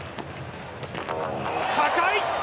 高い！